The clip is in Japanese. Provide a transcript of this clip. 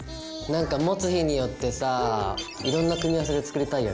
何か持つ日によってさいろんな組み合わせで作りたいよね。